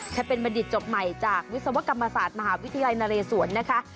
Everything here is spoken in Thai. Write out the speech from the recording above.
จะเป็นบัณฑิตจบใหม่จากวิศวกรรมศาสตร์มหาวิทยาลัยนเรศวรนะคะ